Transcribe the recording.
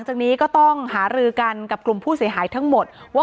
อ๋อเจ้าสีสุข่าวของสิ้นพอได้ด้วย